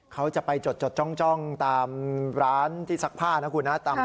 เขาจะไปจดจ้องตามร้านที่ซักผ้านะคุณนะ